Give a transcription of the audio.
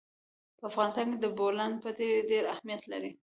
په افغانستان کې د بولان پټي ډېر اهمیت لري.